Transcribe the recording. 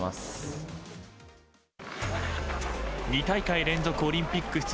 ２大会連続オリンピック